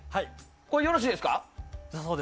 これよろしいですか？